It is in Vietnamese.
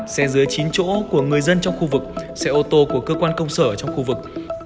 xe dưới chín chỗ của người dân trong khu vực xe ô tô của cơ quan công sở trong khu vực